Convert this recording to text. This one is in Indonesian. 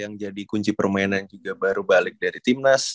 yang jadi kunci permainan juga baru balik dari timnas